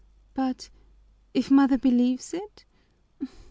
But, if mother believes it?